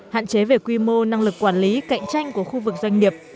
hạn chế về quy mô năng lực quản lý cạnh tranh của khu vực doanh nghiệp